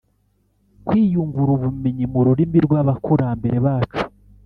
kwiyungura ubumenyi mu rurimi rw’abakurambere bacu.